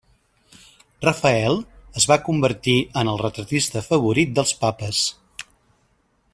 Rafael es va convertir en el retratista favorit dels papes.